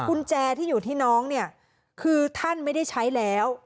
กุญแจที่อยู่ที่น้องเนี่ยคือท่านไม่ได้ใช้แล้ว